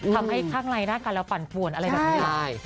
ทำให้ข้างในหน้ากันแล้วปั่นป่วนอะไรแบบนี้